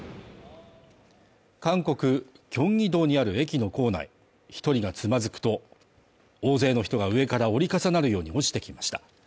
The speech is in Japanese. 韓国京畿道にある駅の構内１人がつまずくと、大勢の人が上から折り重なるように落ちてきました。